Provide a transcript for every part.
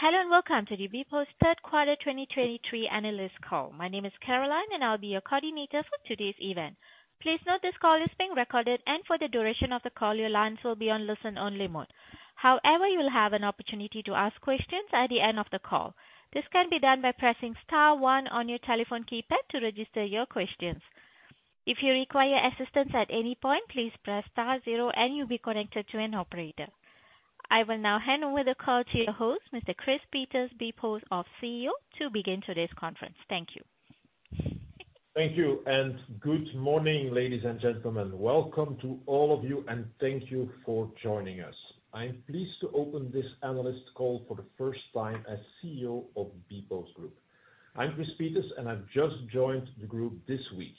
Hello, and welcome to the bpost Q3 2023 analyst call. My name is Caroline, and I'll be your coordinator for today's event. Please note this call is being recorded, and for the duration of the call, your lines will be on listen-only mode. However, you will have an opportunity to ask questions at the end of the call. This can be done by pressing star one on your telephone keypad to register your questions. If you require assistance at any point, please press star zero, and you'll be connected to an operator. I will now hand over the call to your host, Mr. Chris Peeters, bpost's CEO, to begin today's conference. Thank you. Thank you, and good morning, ladies and gentlemen. Welcome to all of you, and thank you for joining us. I'm pleased to open this analyst call for the first time as CEO of bpost group. I'm Chris Peeters, and I've just joined the group this week.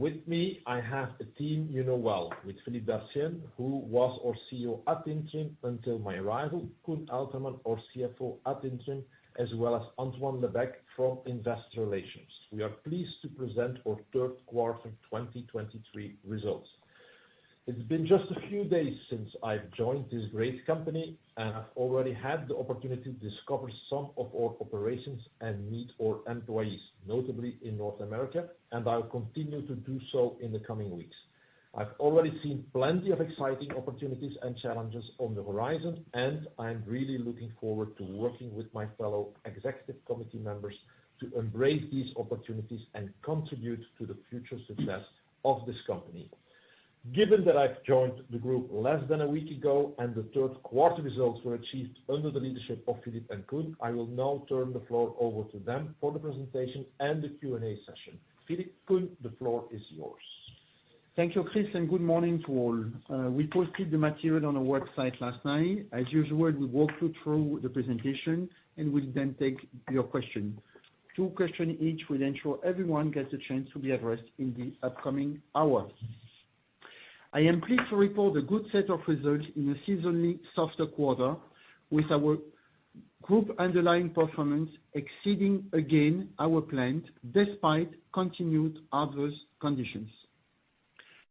With me, I have a team you know well, with Philippe Dartienne, who was our CEO ad interim until my arrival, Koen Aelterman, our CFO ad interim, as well as Antoine Lebecq from Investor Relations. We are pleased to present our Q3 2023 results. It's been just a few days since I've joined this great company, and I've already had the opportunity to discover some of our operations and meet our employees, notably in North America, and I'll continued to do so in the coming weeks. I've already seen plenty of exciting opportunities and challenges on the horizon, and I'm really looking forward to working with my fellow executive committee members to embrace these opportunities and contribute to the future success of this company. Given that I've joined the group less than a week ago and the Q3 results were achieved under the leadership of Philippe and Koen, I will now turn the floor over to them for the presentation and the Q&A session. Philippe, Koen, the floor is yours. Thank you, Chris, and good morning to all. We posted the material on our website last night. As usual, we'll walk you through the presentation, and we'll then take your questions. Two questions each will ensure everyone gets a chance to be addressed in the upcoming hour. I am pleased to report a good set of results in a seasonally softer quarter, with our group underlying performance exceeding again our plan, despite continued adverse conditions.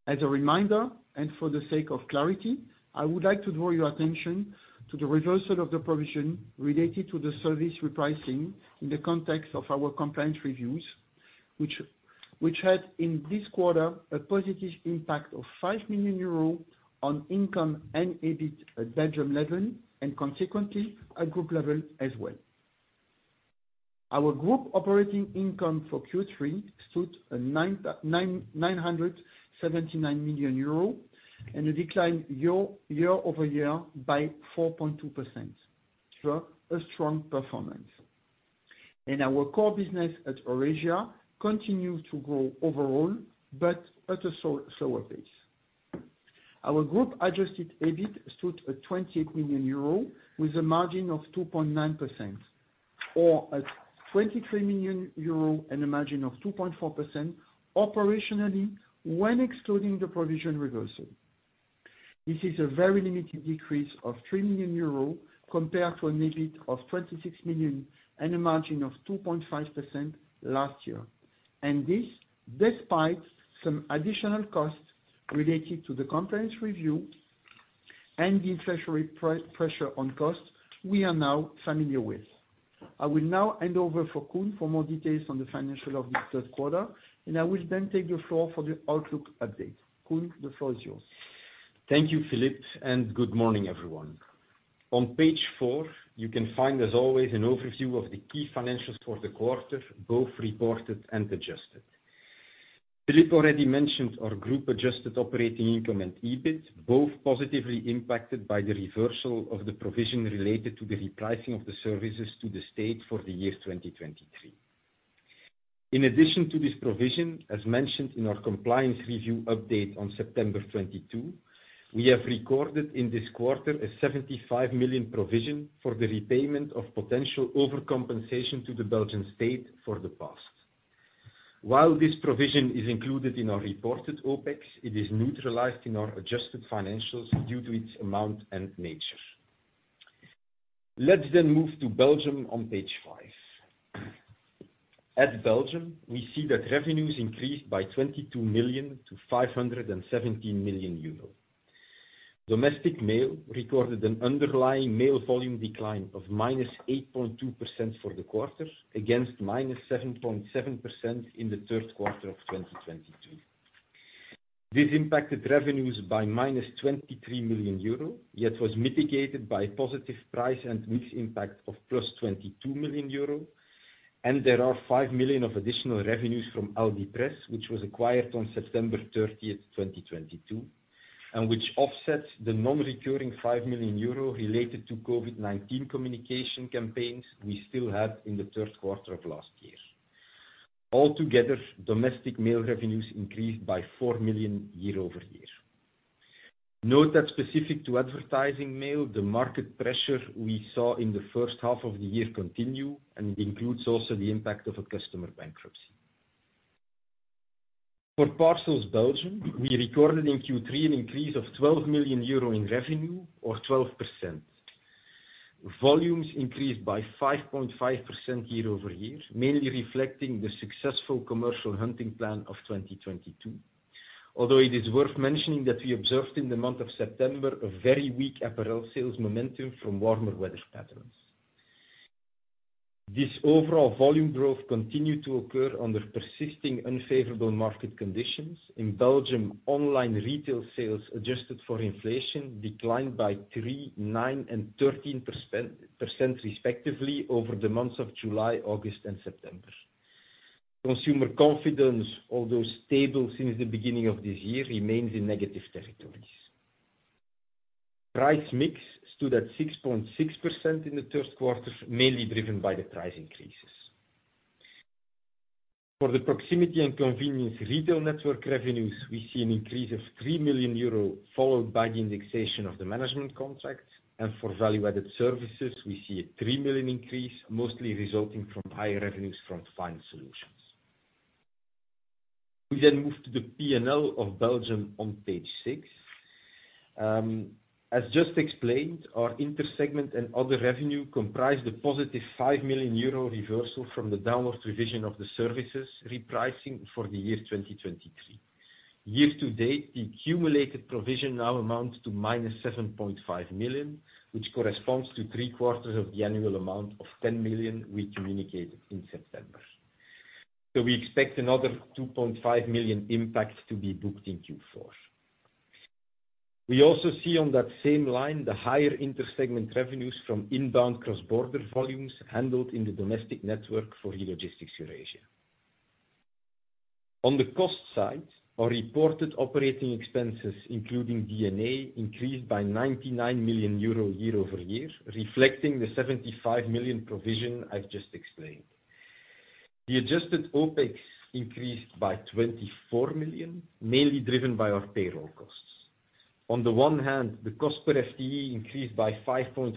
As a reminder, and for the sake of clarity, I would like to draw your attention to the reversal of the provision related to the service repricing in the context of our compliance reviews, which had, in this quarter, a positive impact of 5 million euros on income and EBIT at Belgium level, and consequently at group level as well. Our group operating income for Q3 stood at 979 million euro and a decline year-over-year by 4.2%, through a strong performance. In our core business at Eurasia, continue to grow overall, but at a slower pace. Our group adjusted EBIT stood at 28 million euro, with a margin of 2.9%, or at 23 million euro and a margin of 2.4% operationally when excluding the provision reversal. This is a very limited decrease of 3 million euros, compared to an EBIT of 26 million and a margin of 2.5% last year. This, despite some additional costs related to the compliance review and the inflationary pressure on costs, we are now familiar with. I will now hand over for Koen for more details on the financial of this Q3, and I will then take the floor for the outlook update. Koen, the floor is yours. Thank you, Philippe, and good morning, everyone. On page 4, you can find, as always, an overview of the key financials for the quarter, both reported and adjusted. Philippe already mentioned our group adjusted operating income and EBIT, both positively impacted by the reversal of the provision related to the repricing of the services to the state for the year 2023. In addition to this provision, as mentioned in our compliance review update on September 22, we have recorded in this quarter a 75 million provision for the repayment of potential overcompensation to the Belgian state for the past. While this provision is included in our reported OpEx, it is neutralized in our adjusted financials due to its amount and nature. Let's then move to Belgium on page 5. At Belgium, we see that revenues increased by 22 million to 517 million euro. Domestic mail recorded an underlying mail volume decline of -8.2% for the quarter, against -7.7% in the Q3 of 2023. This impacted revenues by -23 million euro, yet was mitigated by a positive price and mix impact of +22 million euro. There are 5 million of additional revenues from Aldi Press, which was acquired on September 30, 2022, and which offsets the non-recurring 5 million euro related to COVID-19 communication campaigns we still had in the Q3 of last year. Altogether, domestic mail revenues increased by 4 million year-over-year. Note that specific to advertising mail, the market pressure we saw in the first half of the year continue, and it includes also the impact of a customer bankruptcy. For Parcels Belgium, we recorded in Q3 an increase of 12 million euro in revenue or 12%. Volumes increased by 5.5% year-over-year, mainly reflecting the successful commercial hunting plan of 2022. Although it is worth mentioning that we observed in the month of September, a very weak apparel sales momentum from warmer weather patterns. This overall volume growth continued to occur under persisting unfavorable market conditions. In Belgium, online retail sales, adjusted for inflation, declined by 3%, 9%, and 13% respectively, over the months of July, August, and September. Consumer confidence, although stable since the beginning of this year, remains in negative territories. Price mix stood at 6.6% in the Q3, mainly driven by the price increases. For the proximity and convenience retail network revenues, we see an increase of 3 million euro, followed by the indexation of the management contracts, and for value-added services, we see a 3 million increase, mostly resulting from higher revenues from finance solutions. We then move to the P&L of Belgium on page 6. As just explained, our inter-segment and other revenue comprised a positive 5 million euro reversal from the downward revision of the services repricing for the year 2023. Year to date, the accumulated provision now amounts to -7.5 million, which corresponds to three quarters of the annual amount of 10 million we communicated in September. So we expect another 2.5 million impact to be booked in Q4. We also see on that same line, the higher inter-segment revenues from inbound cross-border volumes handled in the domestic network for eLogistics Eurasia. On the cost side, our reported operating expenses, including D&A, increased by 99 million euro year-over-year, reflecting the 75 million provision I've just explained. The adjusted OpEx increased by 24 million, mainly driven by our payroll costs. On the one hand, the cost per FTE increased by 5.4%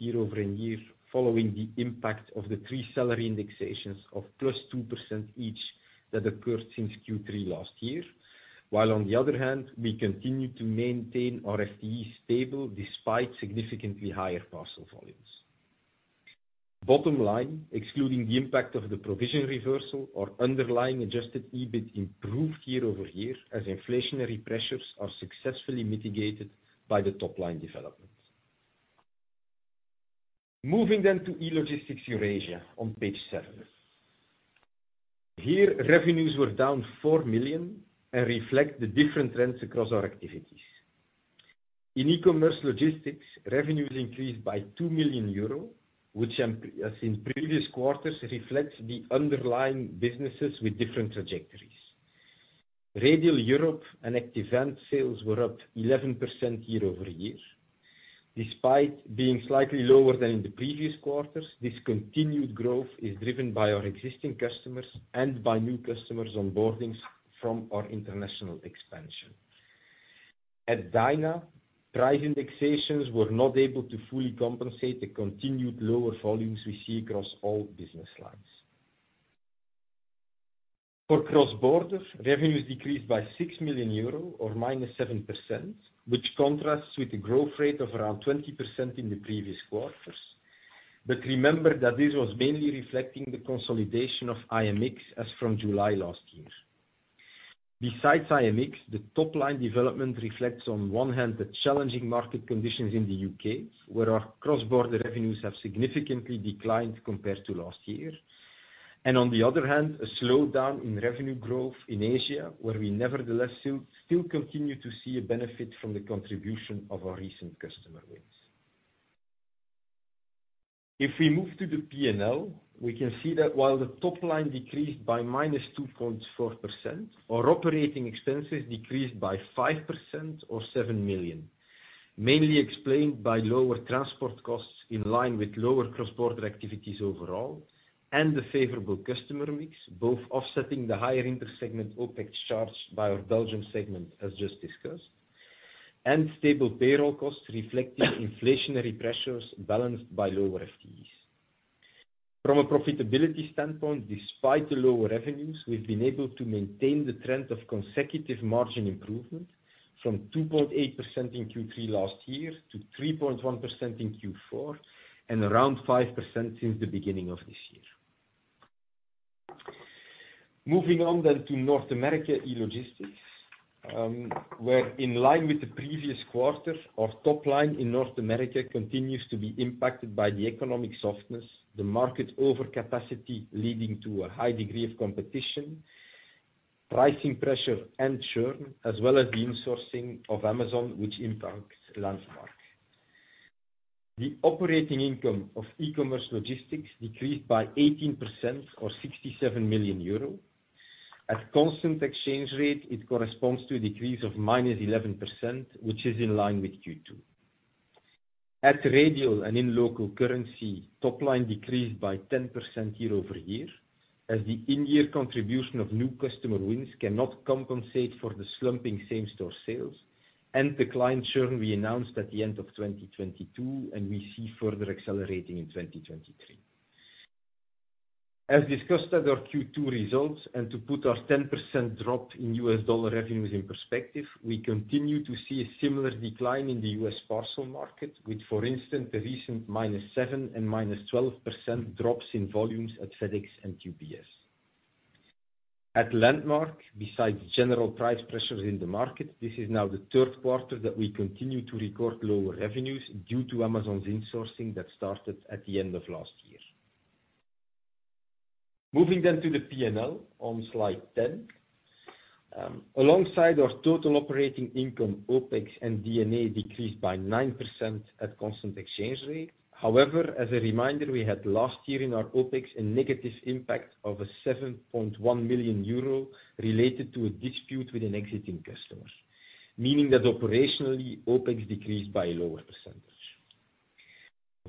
year-over-year, following the impact of the three salary indexations of +2% each that occurred since Q3 last year. While on the other hand, we continue to maintain our FTE stable despite significantly higher parcel volumes. Bottom line, excluding the impact of the provision reversal or underlying adjusted EBIT improved year-over-year, as inflationary pressures are successfully mitigated by the top-line development. Moving then to eLogistics Eurasia on page 7. Here, revenues were down 4 million and reflect the different trends across our activities. In e-commerce logistics, revenues increased by 2 million euros, which, as in previous quarters, reflects the underlying businesses with different trajectories. Radial Europe and Active Ants sales were up 11% year-over-year. Despite being slightly lower than in the previous quarters, this continued growth is driven by our existing customers and by new customers onboardings from our international expansion. At Dyna, price indexations were not able to fully compensate the continued lower volumes we see across all business lines. For cross-border, revenues decreased by 6 million euro or -7%, which contrasts with the growth rate of around 20% in the previous quarters. But remember that this was mainly reflecting the consolidation of IMX as from July last year. Besides IMX, the top-line development reflects, on one hand, the challenging market conditions in the U.K., where our cross-border revenues have significantly declined compared to last year. On the other hand, a slowdown in revenue growth in Asia, where we nevertheless still continue to see a benefit from the contribution of our recent customer wins. If we move to the P&L, we can see that while the top line decreased by -2.4%, our operating expenses decreased by 5% or 7 million, mainly explained by lower transport costs in line with lower cross-border activities overall, and the favorable customer mix, both offsetting the higher inter-segment OpEx charged by our Belgium segment, as just discussed, and stable payroll costs reflecting inflationary pressures balanced by lower FTEs. From a profitability standpoint, despite the lower revenues, we've been able to maintain the trend of consecutive margin improvement from 2.8% in Q3 last year to 3.1% in Q4, and around 5% since the beginning of this year. Moving on then to North America eLogistics, where in line with the previous quarter, our top line in North America continues to be impacted by the economic softness, the market overcapacity, leading to a high degree of competition, pricing pressure and churn, as well as the insourcing of Amazon, which impacts Landmark. The operating income of e-commerce logistics decreased by 18% or 67 million euro. At constant exchange rate, it corresponds to a decrease of -11%, which is in line with Q2. At Radial and in local currency, top line decreased by 10% year-over-year, as the in-year contribution of new customer wins cannot compensate for the slumping same-store sales and the client churn we announced at the end of 2022, and we see further accelerating in 2023. As discussed at our Q2 results, and to put our 10% drop in U.S. dollar revenues in perspective, we continue to see a similar decline in the U.S. parcel market, with, for instance, a recent -7% and -12% drops in volumes at FedEx and UPS. At Landmark, besides general price pressures in the market, this is now the Q3 that we continue to record lower revenues due to Amazon's insourcing that started at the end of last year. Moving to the P&L on slide 10. Alongside our total operating income, OpEx and D&A decreased by 9% at constant exchange rate. However, as a reminder, we had last year in our OpEx, a negative impact of 7.1 million euro related to a dispute with an exiting customer, meaning that operationally, OpEx decreased by a lower percentage.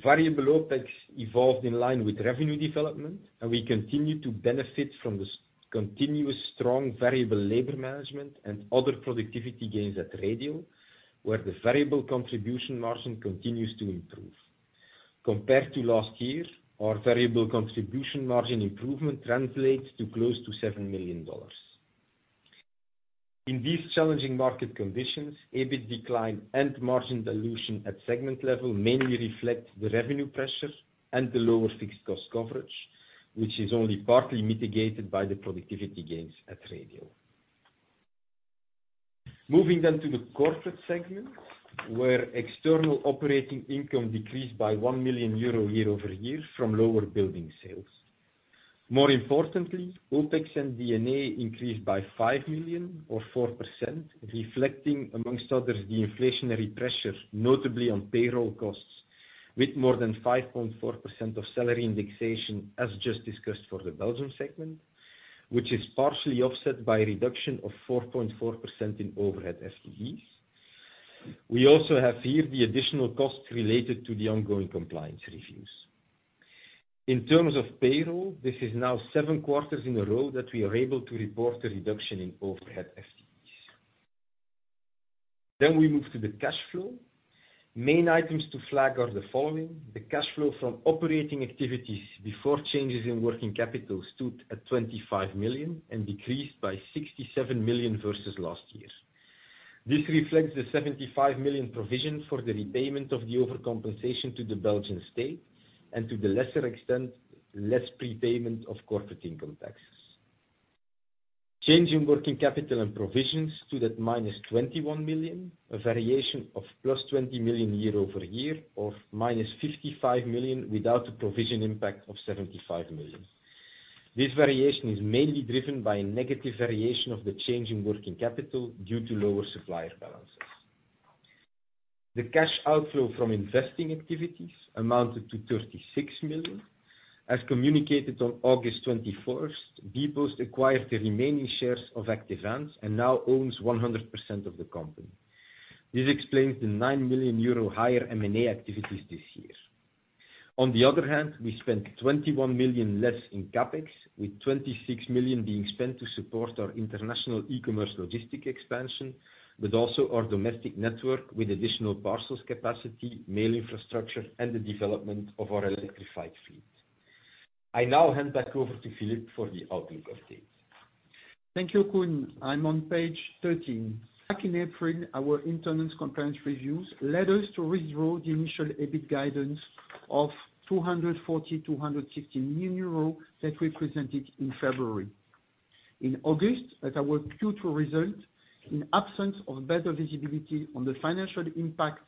Variable OpEx evolved in line with revenue development, and we continue to benefit from this continuous strong variable labor management and other productivity gains at Radial, where the variable contribution margin continues to improve. Compared to last year, our variable contribution margin improvement translates to close to $7 million. In these challenging market conditions, EBIT decline and margin dilution at segment level mainly reflect the revenue pressure and the lower fixed cost coverage, which is only partly mitigated by the productivity gains at Radial. Moving then to the corporate segment, where external operating income decreased by 1 million euro year-over-year from lower building sales. More importantly, OpEx and D&A increased by 5 million or 4%, reflecting, among others, the inflationary pressure, notably on payroll costs, with more than 5.4% of salary indexation, as just discussed, for the Belgium segment, which is partially offset by a reduction of 4.4% in overhead FTEs. We also have here the additional costs related to the ongoing compliance reviews. In terms of payroll, this is now seven quarters in a row that we are able to report a reduction in overhead FTEs. Then we move to the cash flow. Main items to flag are the following: The cash flow from operating activities before changes in working capital stood at 25 million and decreased by 67 million versus last year. This reflects the 75 million provision for the repayment of the overcompensation to the Belgian state and, to the lesser extent, less prepayment of corporate income taxes. Change in working capital and provisions stood at -21 million, a variation of +20 million year-over-year, or -55 million without the provision impact of 75 million. This variation is mainly driven by a negative variation of the change in working capital due to lower supplier balances. The cash outflow from investing activities amounted to 36 million. As communicated on August 21st bpost acquired the remaining shares of Active Ants and now owns 100% of the company. This explains the 9 million euro higher M&A activities this year. On the other hand, we spent 21 million less in CapEx, with 26 million being spent to support our international e-commerce logistics expansion, but also our domestic network, with additional parcels capacity, mail infrastructure, and the development of our electrified fleet. I now hand back over to Philippe for the outlook update. Thank you, Koen. I'm on page 13. Back in April, our internal compliance reviews led us to redraw the initial EBIT guidance of 240 million-250 million euros that we presented in February. In August, at our Q2 result, in absence of better visibility on the financial impact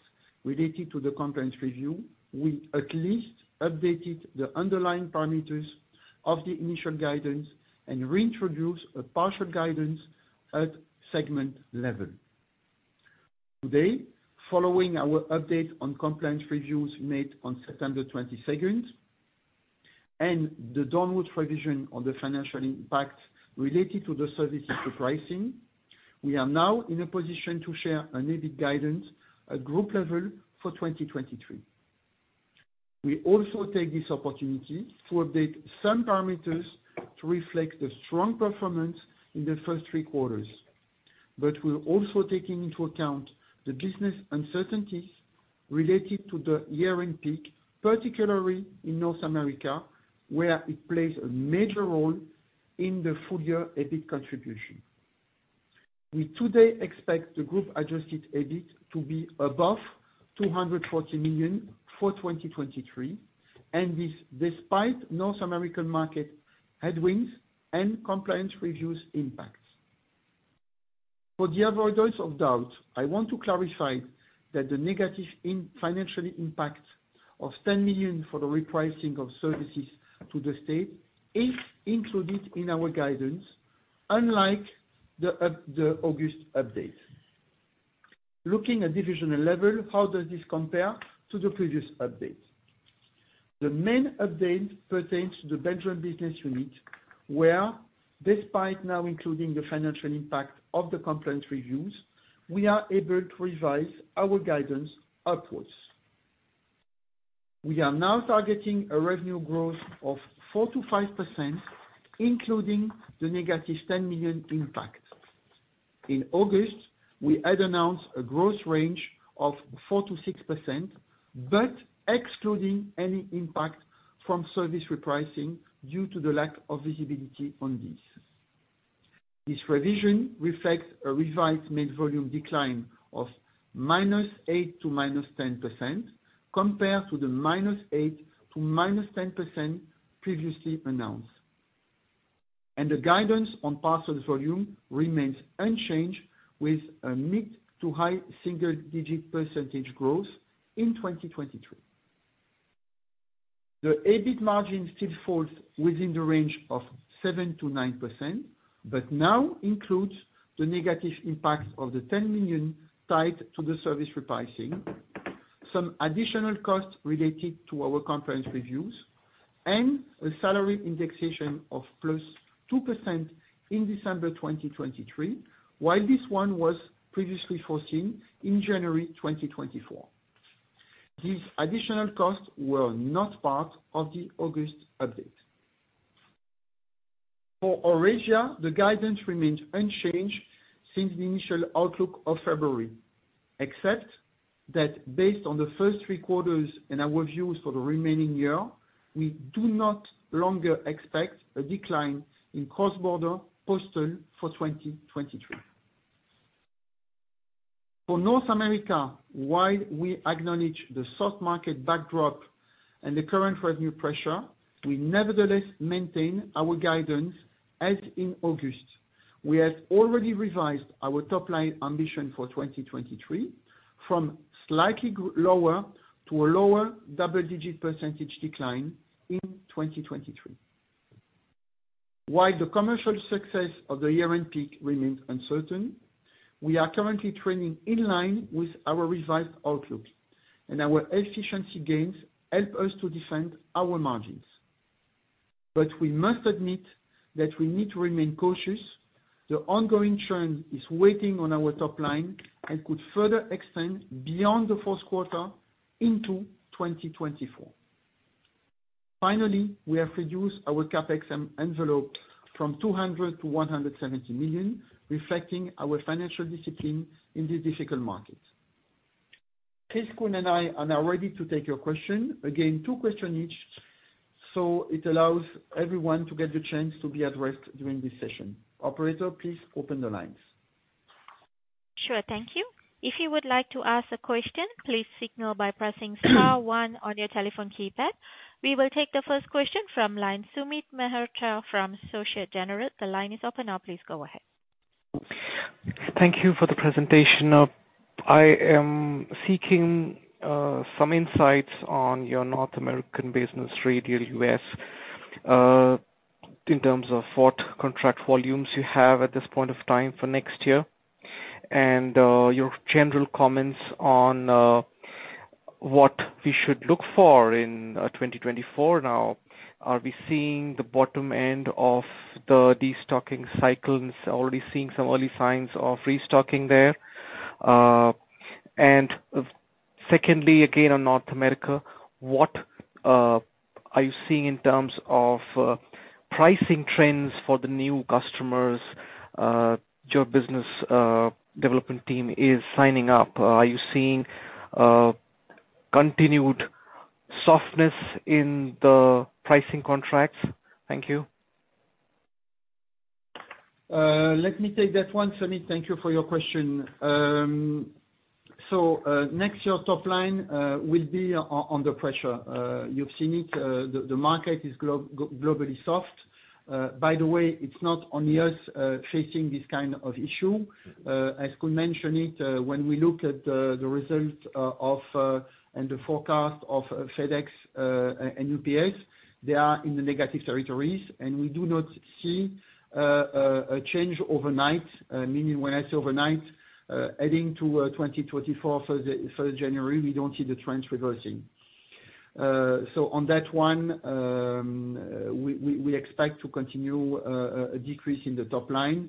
related to the compliance review, we at least updated the underlying parameters of the initial guidance and reintroduced a partial guidance at segment level. Today, following our update on compliance reviews made on September 22nd, and the downward revision on the financial impact related to the services repricing, we are now in a position to share an EBIT guidance at group level for 2023. We also take this opportunity to update some parameters to reflect the strong performance in the first three quarters. But we're also taking into account the business uncertainties related to the year-end peak, particularly in North America, where it plays a major role in the full year EBIT contribution. We today expect the group adjusted EBIT to be above 240 million for 2023, and this despite North American market headwinds and compliance reviews impacts. For the avoidance of doubt, I want to clarify that the negative financial impact of 10 million for the repricing of services to the state is included in our guidance, unlike the August update. Looking at divisional level, how does this compare to the previous update? The main update pertains to the Belgium business unit, where, despite now including the financial impact of the compliance reviews, we are able to revise our guidance upwards. We are now targeting a revenue growth of 4%-5%, including the negative 10 million impact. In August, we had announced a growth range of 4%-6%, but excluding any impact from service repricing due to the lack of visibility on this. This revision reflects a revised mid-volume decline of -8% to -10%, compared to the -8% to -10% previously announced. The guidance on parcels volume remains unchanged, with a mid- to high-single-digit % growth in 2023. The EBIT margin still falls within the range of 7%-9%, but now includes the negative impact of the 10 million tied to the service repricing, some additional costs related to our conference reviews, and a salary indexation of +2% in December 2023, while this one was previously foreseen in January 2024. These additional costs were not part of the August update. For Eurasia, the guidance remains unchanged since the initial outlook of February, except that based on the first three quarters and our views for the remaining year, we no longer expect a decline in cross-border postal for 2023. For North America, while we acknowledge the soft market backdrop and the current revenue pressure, we nevertheless maintain our guidance as in August. We have already revised our top line ambition for 2023, from slightly lower to a lower double-digit percentage decline in 2023. While the commercial success of the year-end peak remains uncertain, we are currently trending in line with our revised outlook, and our efficiency gains help us to defend our margins. But we must admit that we need to remain cautious. The ongoing trend is weighing on our top line and could further extend beyond the Q1 into 2024. Finally, we have reduced our CapEx envelope from 200 million to 170 million, reflecting our financial discipline in these difficult markets. Chris, Koen, and I are now ready to take your question. Again, two question each, so it allows everyone to get the chance to be addressed during this session. Operator, please open the lines. Sure. Thank you. If you would like to ask a question, please signal by pressing star one on your telephone keypad. We will take the first question from line, Sumit Mehrotra, from Société Générale. The line is open now, please go ahead. Thank you for the presentation. I am seeking some insights on your North American business, Radial U.S., in terms of what contract volumes you have at this point of time for next year, and your general comments on what we should look for in 2024 now. Are we seeing the bottom end of the destocking cycles, already seeing some early signs of restocking there? Secondly, again, on North America, what are you seeing in terms of pricing trends for the new customers your business development team is signing up? Are you seeing continued softness in the pricing contracts? Thank you. Let me take that one, Sumit. Thank you for your question. So, next year's top line will be under pressure. You've seen it, the market is globally soft. By the way, it's not only us facing this kind of issue. As Koen mentioned it, when we look at the results of and the forecast of FedEx and UPS, they are in the negative territories, and we do not see a change overnight. Meaning when I say overnight, adding to 2024 for January, we don't see the trends reversing. So on that one, we expect to continue a decrease in the top line.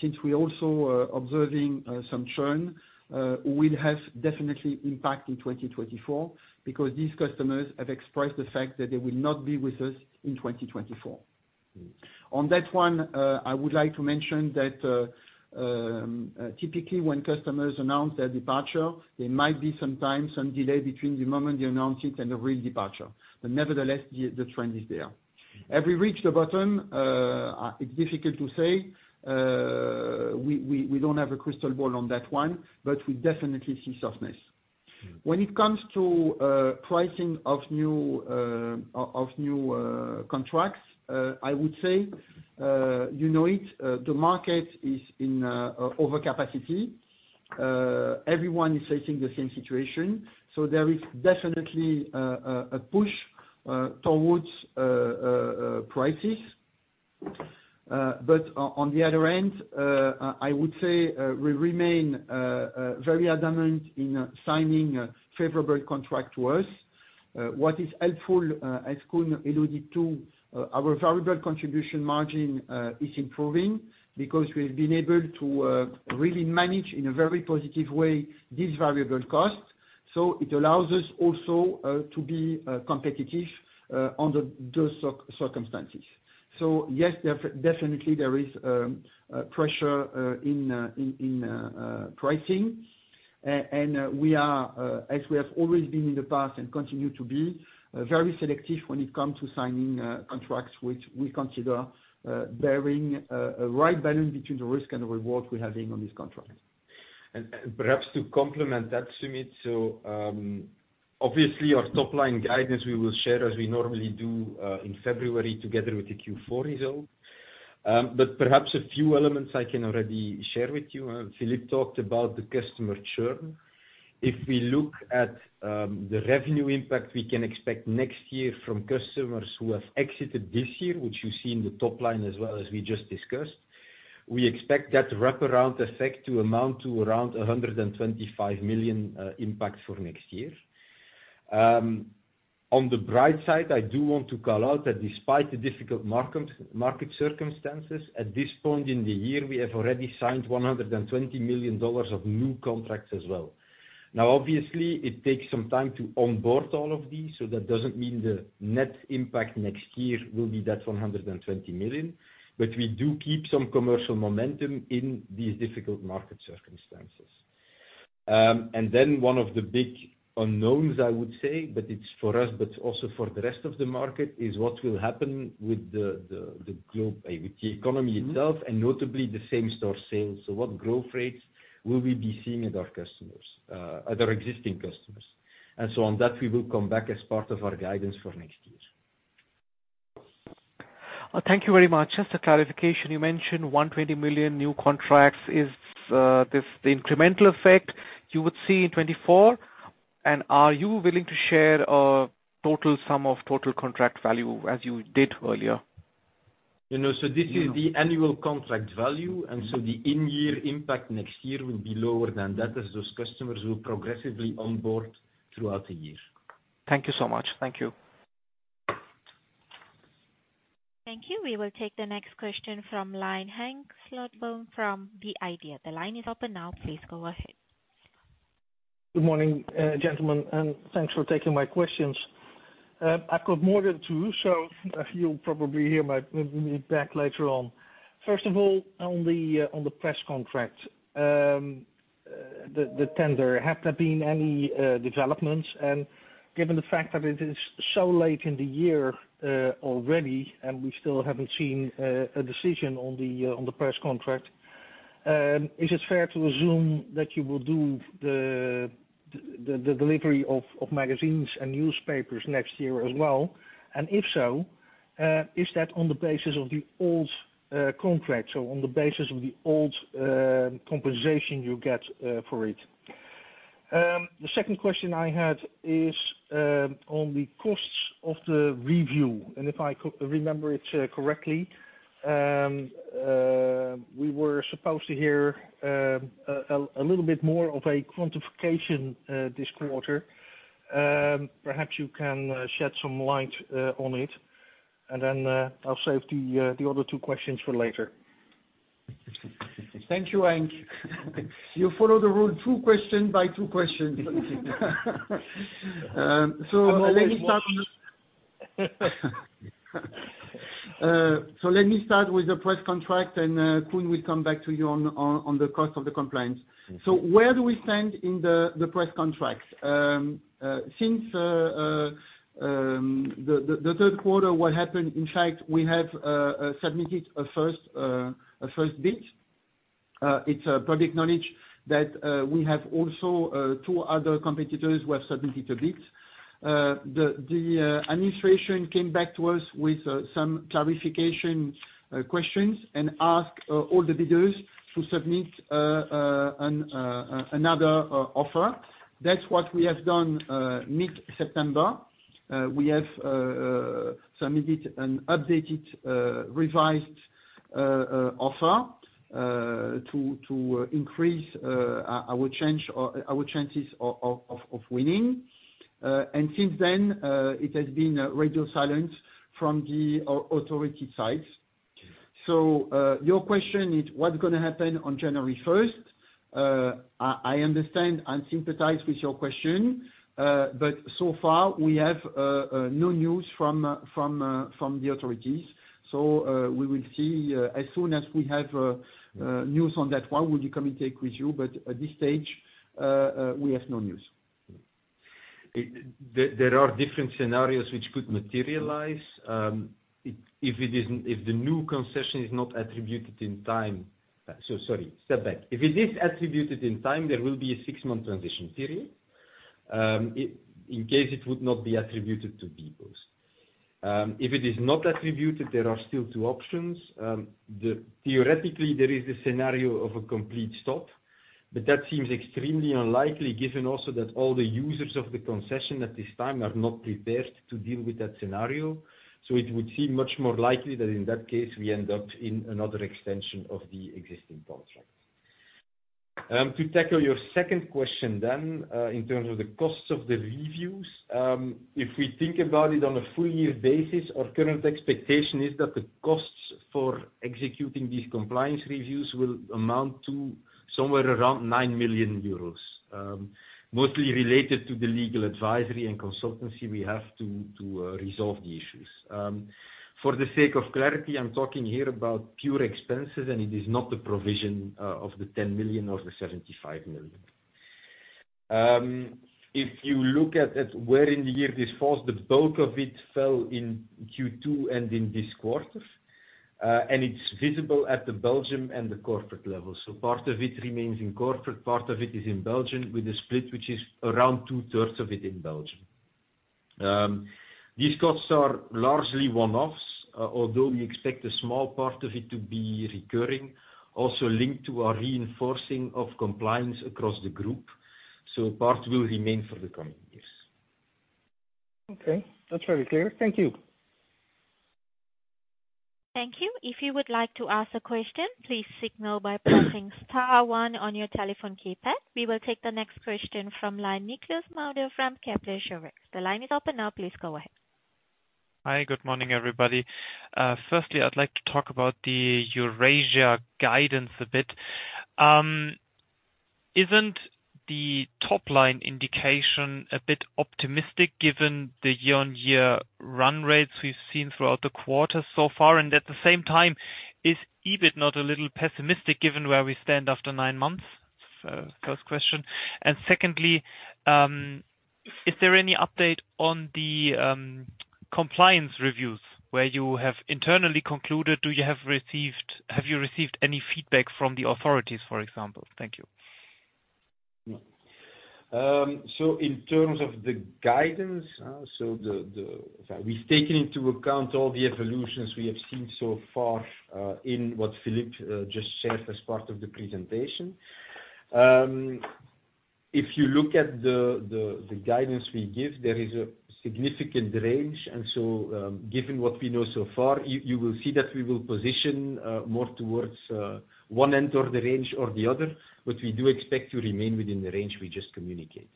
Since we also observing some churn will have definitely impact in 2024, because these customers have expressed the fact that they will not be with us in 2024. On that one, I would like to mention that, typically, when customers announce their departure, there might be some time, some delay between the moment they announce it and the real departure. But nevertheless, the trend is there. Have we reached the bottom? It's difficult to say. We don't have a crystal ball on that one, but we definitely see softness. When it comes to pricing of new contracts, I would say, you know it, the market is in overcapacity. Everyone is facing the same situation, so there is definitely a push towards prices. But on the other end, I would say, we remain very adamant in signing a favorable contract to us. What is helpful, as Koen alluded to, our variable contribution margin is improving because we've been able to really manage, in a very positive way, these variable costs, so it allows us also to be competitive under those circumstances. So yes, definitely there is pressure in pricing. And we are, as we have always been in the past and continue to be, very selective when it comes to signing contracts, which we consider bearing a right balance between the risk and the reward we have being on these contracts. Perhaps to complement that, Sumit, obviously, our top line guidance we will share as we normally do in February together with the Q4 result. But perhaps a few elements I can already share with you. Philippe talked about the customer churn. If we look at the revenue impact, we can expect next year from customers who have exited this year, which you see in the top line as well as we just discussed, we expect that wraparound effect to amount to around 125 million impact for next year. On the bright side, I do want to call out that despite the difficult market circumstances, at this point in the year, we have already signed $120 million of new contracts as well. Now, obviously, it takes some time to onboard all of these, so that doesn't mean the net impact next year will be that 120 million. But we do keep some commercial momentum in these difficult market circumstances. And then one of the big unknowns, I would say, but it's for us, but also for the rest of the market, is what will happen with the globe, with the economy itself, and notably the same store sales. So what growth rates will we be seeing at our customers, at our existing customers? And so on that, we will come back as part of our guidance for next year. Thank you very much. Just a clarification, you mentioned 120 million new contracts. Is this the incremental effect you would see in 2024? And are you willing to share a total sum of total contract value as you did earlier? You know, so this is the annual contract value, and so the in-year impact next year will be lower than that, as those customers will progressively onboard throughout the year. Thank you so much. Thank you. Thank you. We will take the next question from line, Henk Slotboom from The Idea. The line is open now, please go ahead. Good morning, gentlemen, and thanks for taking my questions. I've got more than two, so you'll probably hear me back later on. First of all, on the press contract, the tender, have there been any developments? And given the fact that it is so late in the year already, and we still haven't seen a decision on the press contract, is it fair to assume that you will do the delivery of magazines and newspapers next year as well? And if so, is that on the basis of the old contract, so on the basis of the old compensation you get for it? The second question I had is, on the costs of the review, and if I remember it correctly, we were supposed to hear a little bit more of a quantification this quarter. Perhaps you can shed some light on it, and then I'll save the other two questions for later. Thank you, Henk. You follow the rule, two question by two questions. So let me start with the press contract, and Koen will come back to you on the cost of the compliance. So where do we stand in the press contracts? The Q3, what happened, in fact, we have submitted a first bid. It's public knowledge that we have also two other competitors who have submitted a bid. The administration came back to us with some clarification questions and asked all the bidders to submit another offer. That's what we have done mid-September. We have submitted an updated revised offer to increase our chance or our chances of winning. And since then, it has been radio silence from the authority side. So, your question is, what's gonna happen on January 1st? I understand and sympathize with your question, but so far we have no news from the authorities. So, we will see, as soon as we have news on that, we will communicate with you, but at this stage, we have no news. There are different scenarios which could materialize. If the new concession is not attributed in time, so sorry, step back. If it is attributed in time, there will be a six-month transition period, in case it would not be attributed to bpost. If it is not attributed, there are still two options. Theoretically, there is a scenario of a complete stop, but that seems extremely unlikely, given also that all the users of the concession at this time are not prepared to deal with that scenario. So it would seem much more likely that in that case, we end up in another extension of the existing contract. To tackle your second question then, in terms of the costs of the reviews, if we think about it on a full year basis, our current expectation is that the costs for executing these compliance reviews will amount to somewhere around 9 million euros. Mostly related to the legal advisory and consultancy we have to resolve the issues. For the sake of clarity, I'm talking here about pure expenses, and it is not the provision of the 10 million or the 75 million. If you look at where in the year this falls, the bulk of it fell in Q2 and in this quarter. And it's visible at the Belgium and the corporate level. So part of it remains in corporate, part of it is in Belgium with a split, which is around 2/3 of it in Belgium. These costs are largely one-offs, although we expect a small part of it to be recurring, also linked to our reinforcing of compliance across the group, so part will remain for the coming years. Okay, that's very clear. Thank you. Thank you. If you would like to ask a question, please signal by pressing star one on your telephone keypad. We will take the next question from line, Nicholas Maufrais, Kepler Cheuvreux. The line is open now, please go ahead. Hi, good morning, everybody. Firstly, I'd like to talk about the Eurasia guidance a bit. Isn't the top line indication a bit optimistic given the year-on-year run rates we've seen throughout the quarter so far? And at the same time, is EBIT not a little pessimistic, given where we stand after nine months? First question. And secondly, is there any update on the compliance reviews where you have internally concluded? Have you received any feedback from the authorities, for example? Thank you. So in terms of the guidance, we've taken into account all the evolutions we have seen so far in what Philippe just shared as part of the presentation. If you look at the guidance we give, there is a significant range. Given what we know so far, you will see that we will position more towards one end of the range or the other, but we do expect to remain within the range we just communicated.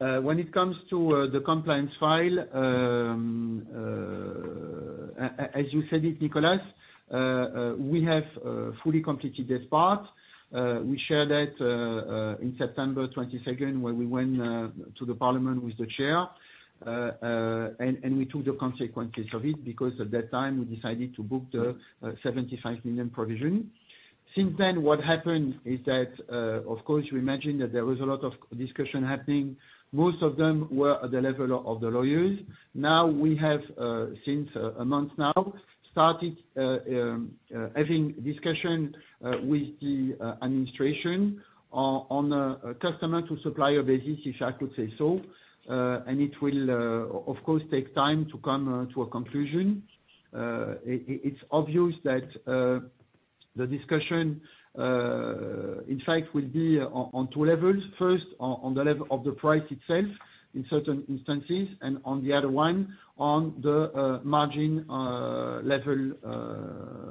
When it comes to the compliance file, as you said it, Nicholas, we have fully completed this part. We share that in September twenty-second, when we went to the parliament with the chair, and we took the consequences of it, because at that time, we decided to book the 75 million provision. Since then, what happened is that, of course, you imagine that there was a lot of discussion happening. Most of them were at the level of the lawyers. Now, we have, since a month now, started having discussion with the administration on a customer-to-supplier basis, if I could say so, and it will, of course, take time to come to a conclusion. It's obvious that the discussion, in fact, will be on two levels. First, on the level of the price itself, in certain instances, and on the other one, on the margin level,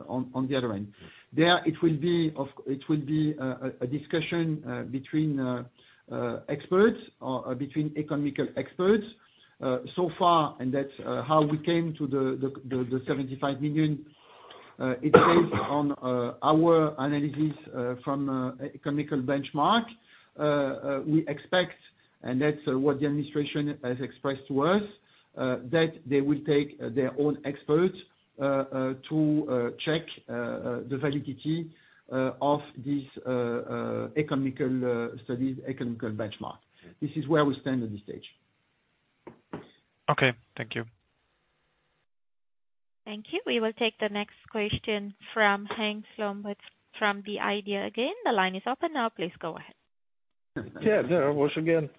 on the other end. There, it will be a discussion between experts or between economic experts. So far, and that's how we came to the 75 million, it says on our analysis from economic benchmark, we expect, and that's what the administration has expressed to us, that they will take their own experts to check the validity of this economic studies, economic benchmark. This is where we stand at this stage. Okay, thank you. Thank you. We will take the next question from Henk Slotboom from The IDEA again. The line is open now, please go ahead. Yeah, there I was again.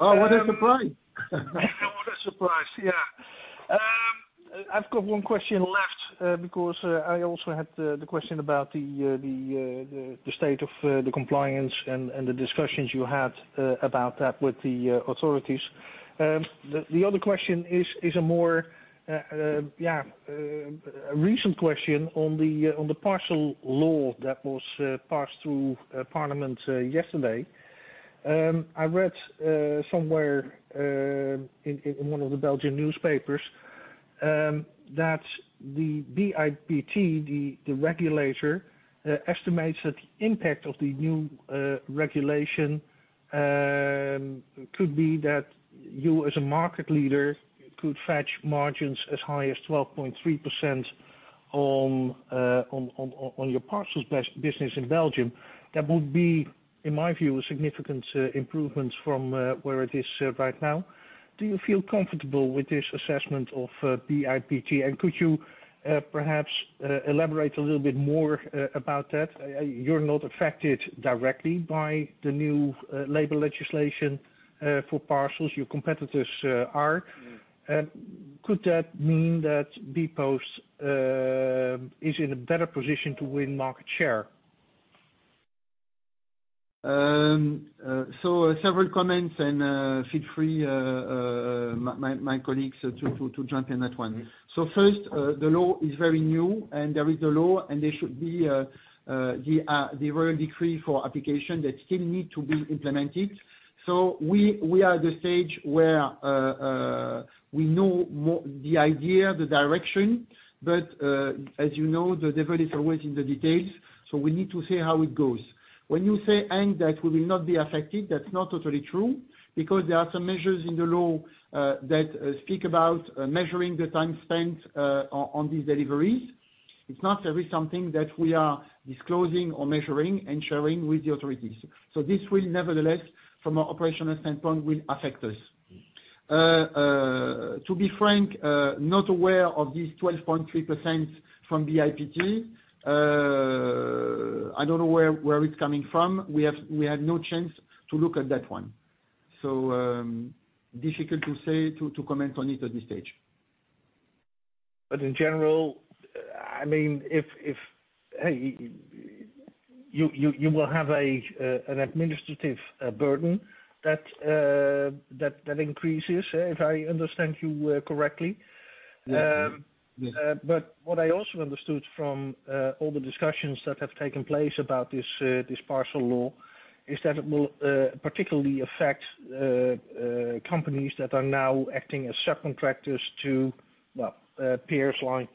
Oh, what a surprise. What a surprise, yeah. I've got one question left, because I also had the question about the state of the compliance and the discussions you had about that with the authorities. The other question is a more recent question on the parcel law that was passed through parliament yesterday. I read somewhere in one of the Belgian newspapers that the BIPT, the regulator, estimates that the impact of the new regulation could be that you, as a market leader, could fetch margins as high as 12.3% on your parcels business in Belgium. That would be, in my view, a significant improvement from where it is right now. Do you feel comfortable with this assessment of BIPT? And could you perhaps elaborate a little bit more about that? You're not affected directly by the new labor legislation for parcels, your competitors are. Could that mean that bpost is in a better position to win market share? So, several comments, and feel free, my colleagues, to jump in that one. So first, the law is very new, and there is a law, and there should be the royal decree for application that still need to be implemented. So we are at the stage where we know more the idea, the direction, but as you know, the devil is always in the details, so we need to see how it goes. When you say, Henk, that we will not be affected, that's not totally true, because there are some measures in the law that speak about measuring the time spent on these deliveries. It's not always something that we are disclosing or measuring and sharing with the authorities. So this will nevertheless, from an operational standpoint, will affect us. To be frank, not aware of this 12.3% from the BIPT. I don't know where, where it's coming from. We have, we had no chance to look at that one. So, difficult to say, to, to comment on it at this stage. But in general, I mean, if hey, you will have an administrative burden that increases, if I understand you correctly. Yeah. But what I also understood from all the discussions that have taken place about this parcel law is that it will particularly affect companies that are now acting as subcontractors to well peers like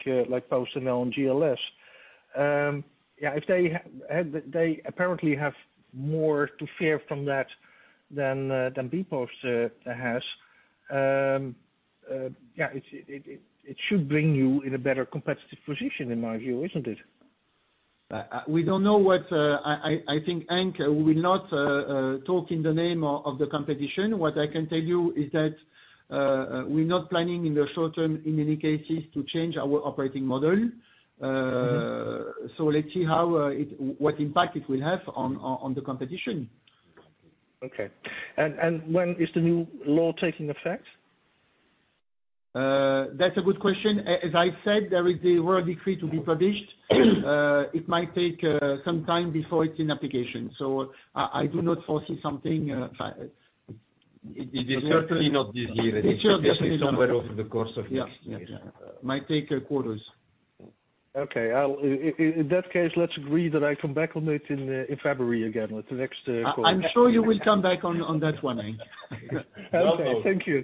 PostNL and GLS. Yeah, if they have, they apparently have more to fear from that than bpost has. Yeah, it should bring you in a better competitive position, in my view, isn't it? I think Henk will not talk in the name of the competition. What I can tell you is that we're not planning in the short term, in any cases, to change our operating model. So let's see what impact it will have on the competition. Okay. And when is the new law taking effect? That's a good question. As I've said, there is a royal decree to be published. It might take some time before it's in application, so I do not foresee something, fa- It is certainly not this year. It's certainly not. Somewhere over the course of next year. Yeah. Yeah. Might take a quarters. Okay, I'll in that case, let's agree that I come back on it in February again, with the next quarter. I'm sure you will come back on that one, Henk. Okay. Thank you.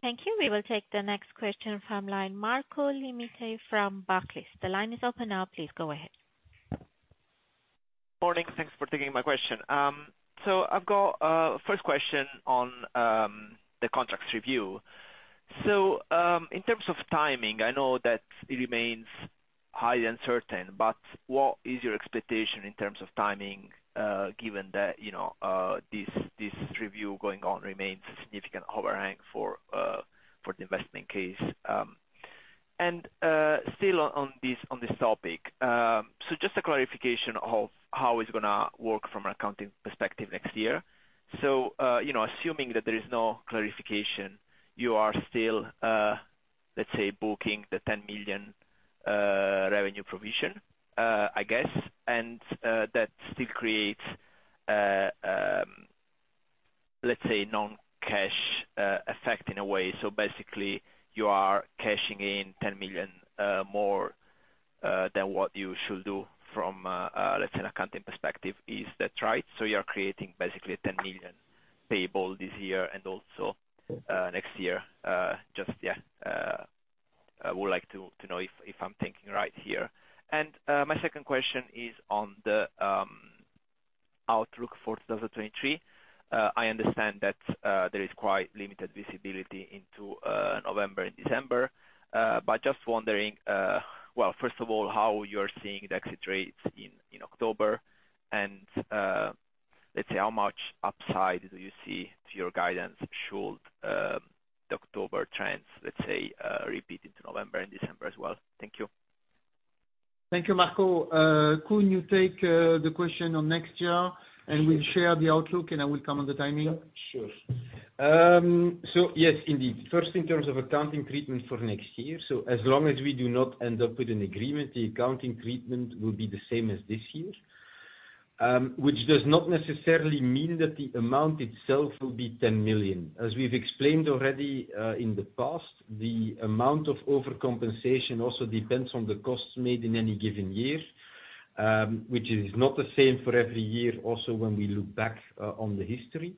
Thank you. We will take the next question from line, Marco Limite from Barclays. The line is open now, please go ahead. Morning. Thanks for taking my question. So I've got first question on the contracts review. So in terms of timing, I know that it remains highly uncertain, but what is your expectation in terms of timing, given that, you know, this review going on remains a significant overhang for the investment case? And still on this topic, so just a clarification of how it's gonna work from an accounting perspective next year. So you know, assuming that there is no clarification, you are still, let's say, booking the 10 million revenue provision, I guess, and that still creates, let's say, non-cash effect in a way. So basically, you are cashing in 10 million, more, than what you should do from a, let's say, an accounting perspective. Is that right? So you're creating basically 10 million payable this year and also, next year. Just, yeah, I would like to, to know if, if I'm thinking right here. And, my second question is on the, outlook for 2023. I understand that, there is quite limited visibility into, November and December, but just wondering, well, first of all, how you're seeing the exit rates in, October? And, let's say, how much upside do you see to your guidance should, the October trends, let's say, repeat into November and December as well? Thank you. Thank you, Marco. Koen, you take the question on next year, and we'll share the outlook, and I will come on the timing. Sure. So yes, indeed. First, in terms of accounting treatment for next year, so as long as we do not end up with an agreement, the accounting treatment will be the same as this year, which does not necessarily mean that the amount itself will be 10 million. As we've explained already, in the past, the amount of overcompensation also depends on the costs made in any given year, which is not the same for every year, also when we look back on the history.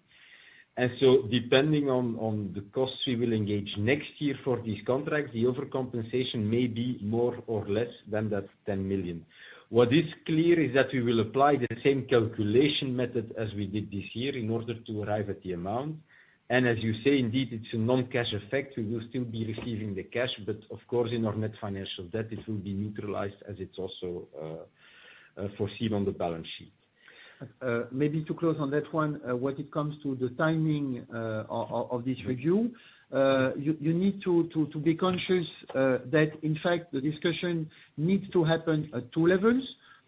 And so depending on the costs we will engage next year for these contracts, the overcompensation may be more or less than that 10 million. What is clear is that we will apply the same calculation method as we did this year in order to arrive at the amount. And as you say, indeed, it's a non-cash effect. We will still be receiving the cash, but of course, in our net financial debt, it will be neutralized as it's also foreseen on the balance sheet. Maybe to close on that one, when it comes to the timing of this review, you need to be conscious that in fact, the discussion needs to happen at two levels.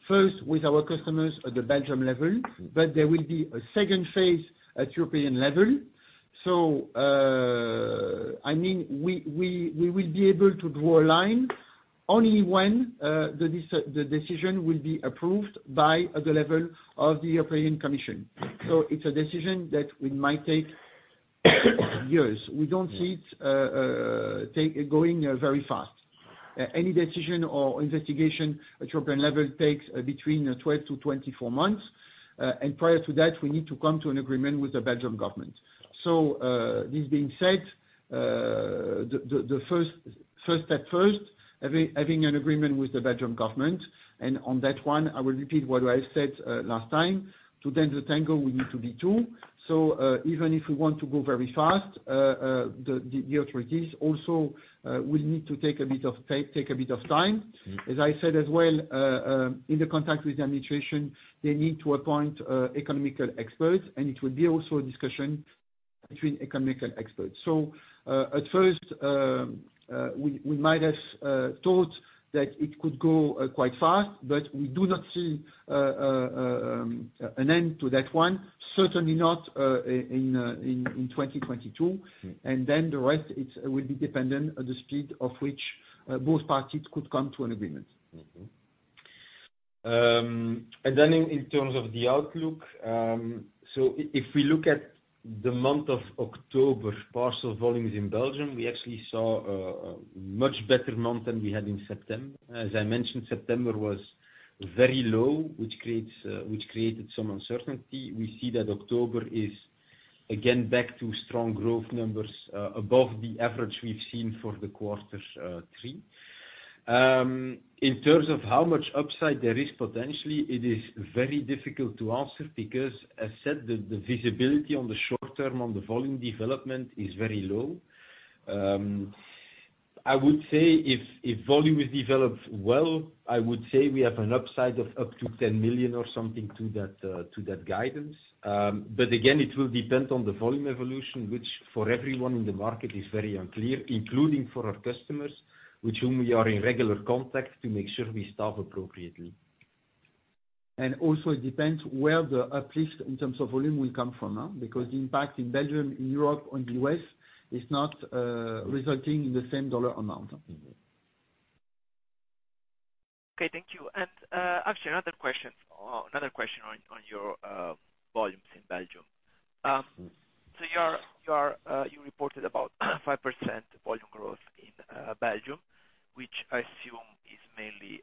First, with our customers at the Belgian level, but there will be a second phase at European level. So, I mean, we will be able to draw a line only when the decision will be approved by the level of the European Commission. So it's a decision that we might take years. We don't see it going very fast. Any decision or investigation at European level takes between 12-24 months, and prior to that, we need to come to an agreement with the Belgian government. So, this being said, the first step, having an agreement with the Belgian government, and on that one, I will repeat what I said last time. To dance the tango, we need to be two. So, even if we want to go very fast, the authorities also will need to take a bit of time, take a bit of time. As I said as well, in the contact with the administration, they need to appoint economic experts, and it will be also a discussion between economic experts. So, at first, we might have thought that it could go quite fast, but we do not see an end to that one, certainly not in 2022. Then the rest, it will be dependent on the speed of which both parties could come to an agreement. And then in terms of the outlook, so if we look at the month of October, parcel volumes in Belgium, we actually saw a much better month than we had in September. As I mentioned, September was very low, which created some uncertainty. We see that October is again back to strong growth numbers, above the average we've seen for the Q3. In terms of how much upside there is potentially, it is very difficult to answer because as said, the visibility on the short term on the volume development is very low. I would say if volume is developed well, I would say we have an upside of up to 10 million or something to that guidance. But again, it will depend on the volume evolution, which for everyone in the market is very unclear, including for our customers, with whom we are in regular contact, to make sure we staff appropriately. Also, it depends where the uplift in terms of volume will come from, huh? Because the impact in Belgium, in Europe, or the U.S. is not resulting in the same dollar amount. Okay, thank you. And, actually, another question, another question on, on your, volumes in Belgium. So you are, you are, you reported about 5% volume growth in Belgium, which I assume is mainly,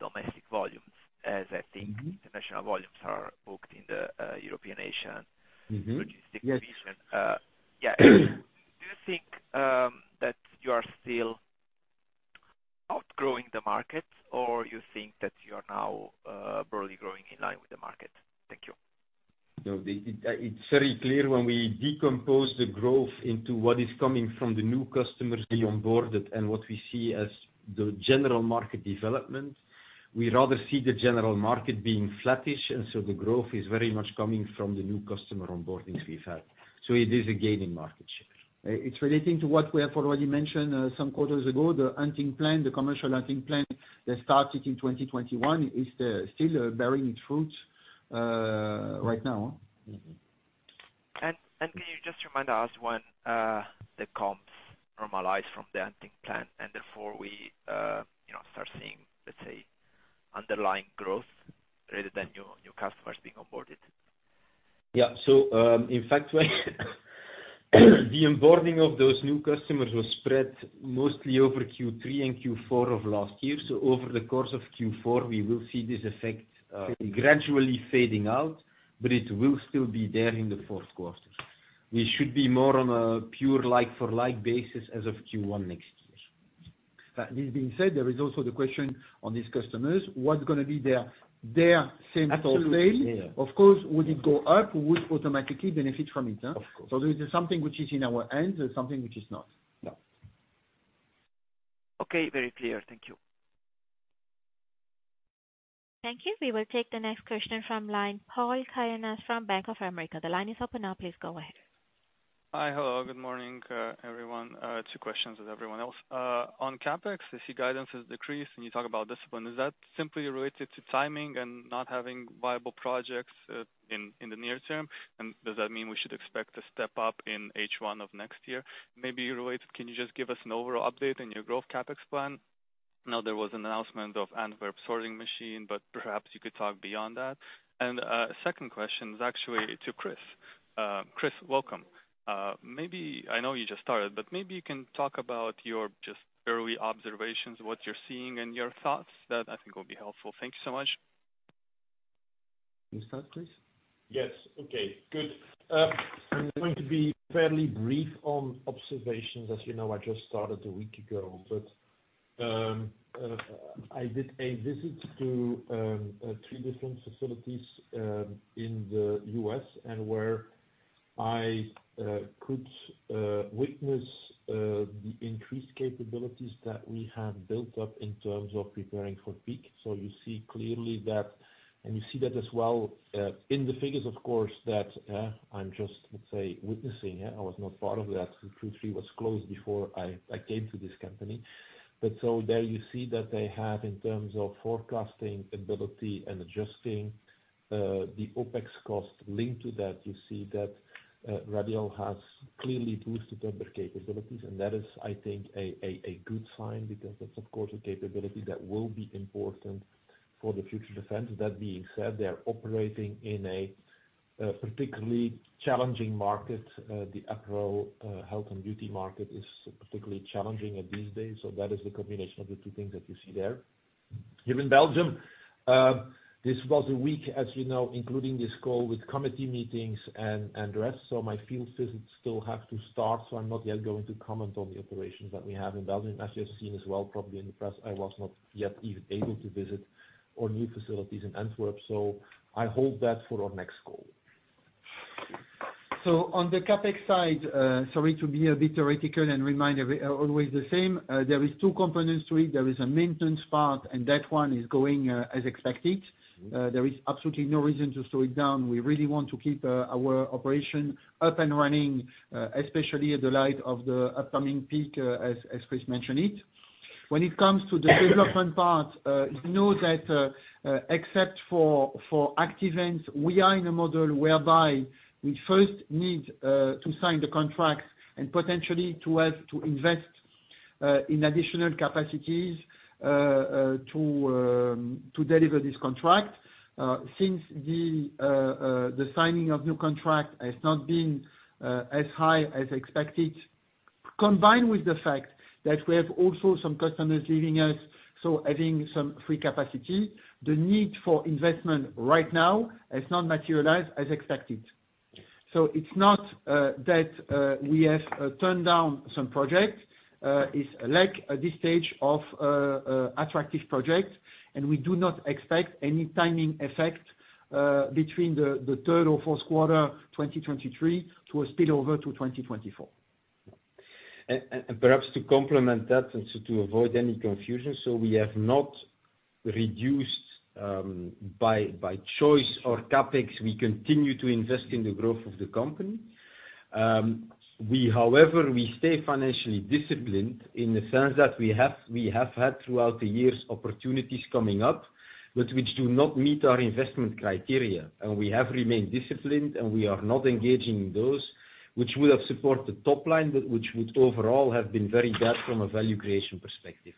domestic volumes, as I think international volumes are booked in the, European, Asian. Logistics division. Yeah. Do you think that you are still outgrowing the market, or you think that you are now broadly growing in line with the market? Thank you. No, it's very clear when we decompose the growth into what is coming from the new customers we onboarded and what we see as the general market development. We rather see the general market being flattish, and so the growth is very much coming from the new customer onboarding we've had. So it is a gain in market share. It's relating to what we have already mentioned some quarters ago, the hunting plan, the commercial hunting plan, that started in 2021, is still bearing its fruit right now. Can you just remind us when the comps normalized from the hunting plan, and therefore we, you know, start seeing, let's say, underlying growth rather than new customers being onboarded? Yeah. So, in fact, the onboarding of those new customers was spread mostly over Q3 and Q4 of last year. Over the course of Q4, we will see this effect gradually fading out, but it will still be there in the Q4. We should be more on a pure like-for-like basis as of Q1 next year. That being said, there is also the question on these customers, what's gonna be their same sales rate? Absolutely. Yeah. Of course, would it go up? We automatically benefit from it, Of course. This is something which is in our hands and something which is not. No. Okay. Very clear. Thank you. Thank you. We will take the next question from line, Paul Ciana from Bank of America. The line is open now. Please go ahead. Hi. Hello, good morning, everyone. Two questions as everyone else. On CapEx, I see guidance has decreased, and you talk about discipline. Is that simply related to timing and not having viable projects in the near term? And does that mean we should expect to step up in H1 of next year? Maybe related, can you just give us an overall update on your growth CapEx plan? I know there was an announcement of Antwerp sorting machine, but perhaps you could talk beyond that. And, second question is actually to Chris. Chris, welcome. Maybe I know you just started, but maybe you can talk about your just early observations, what you're seeing and your thoughts. That, I think, will be helpful. Thank you so much. You start, please. Yes. Okay, good. I'm going to be fairly brief on observations. As you know, I just started a week ago, but I did a visit to three different facilities in the U.S., and where I could witness the increased capabilities that we have built up in terms of preparing for peak. So you see clearly that, and you see that as well in the figures, of course, that I'm just, let's say, witnessing it. I was not part of that. Q3 was closed before I came to this company. But so there you see that they have in terms of forecasting ability and adjusting, the OpEx cost linked to that, you see that, Radial has clearly boosted up their capabilities, and that is, I think, a good sign because that's of course, a capability that will be important for the future defense. That being said, they are operating in a particularly challenging market. The apparel, health and beauty market is particularly challenging these days, so that is the combination of the two things that you see there. Here in Belgium, this was a week, as you know, including this call with committee meetings and rest, so my field visits still have to start, so I'm not yet going to comment on the operations that we have in Belgium. As you have seen as well, probably in the press, I was not yet even able to visit our new facilities in Antwerp, so I hold that for our next call. So on the CapEx side, sorry to be a bit heretical and remind everyone always the same. There is two components to it. There is a maintenance part, and that one is going as expected. There is absolutely no reason to slow it down. We really want to keep our operation up and running, especially in the light of the upcoming peak, as Chris mentioned it. When it comes to the development part, you know, that except for Active Ants, we are in a model whereby we first need to sign the contract and potentially to have to invest in additional capacities to deliver this contract. Since the signing of new contract has not been as high as expected, combined with the fact that we have also some customers leaving us, so having some free capacity, the need for investment right now has not materialized as expected. So it's not that we have turned down some projects. It's like at this stage of attractive project, and we do not expect any timing effect between the third or Q4, 2023, to a spill over to 2024. And perhaps to complement that and so to avoid any confusion, so we have not reduced by choice or CapEx. We continue to invest in the growth of the company. We however stay financially disciplined in the sense that we have had throughout the years opportunities coming up, but which do not meet our investment criteria, and we have remained disciplined, and we are not engaging in those, which would have supported the top line, but which would overall have been very bad from a value creation perspective.